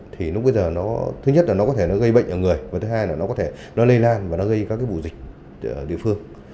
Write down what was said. thứ nhất là nó có thể gây bệnh ở người thứ hai là nó có thể lây lan và gây các bụi dịch địa phương